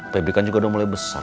febri kan juga udah mulai besar